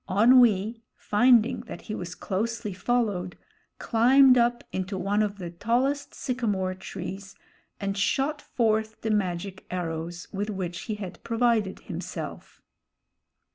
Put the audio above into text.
Onwee, finding that he was closely followed, climbed up into one of the tallest sycamore trees and shot forth the magic arrows with which he had provided himself.